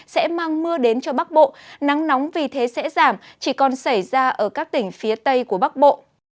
sẽ mang mưa đến cho bắc bộ nắng nóng vì thế sẽ giảm chỉ còn xảy ra ở các tỉnh phía tây của bắc bộ